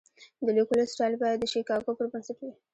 د لیکلو سټایل باید د شیکاګو پر بنسټ وي.